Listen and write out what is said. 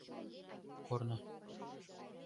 КОРНО